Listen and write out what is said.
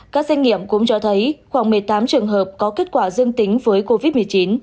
các xét nghiệm cũng cho thấy khoảng một mươi tám trường hợp có kết quả dương tính với covid một mươi chín